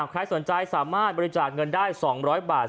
ใครสนใจสามารถบริจาคเงินได้๒๐๐บาท